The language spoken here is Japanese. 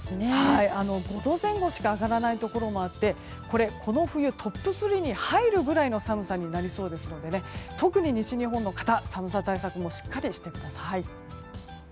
５度前後しか上がらないところもあってこの冬トップ３に入るぐらいの寒さになりそうですので特に西日本の方は寒さ対策もしっかりしてください。